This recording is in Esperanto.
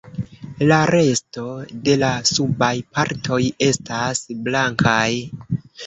La resto de la subaj partoj estas blankaj.